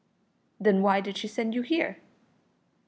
"Then why did she send you here?"